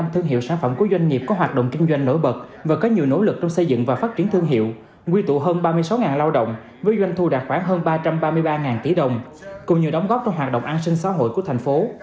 năm trăm linh thương hiệu sản phẩm của doanh nghiệp có hoạt động kinh doanh nổi bật và có nhiều nỗ lực trong xây dựng và phát triển thương hiệu quy tụ hơn ba mươi sáu lao động với doanh thu đạt khoảng hơn ba trăm ba mươi ba tỷ đồng cùng nhiều đóng góp cho hoạt động an sinh xã hội của thành phố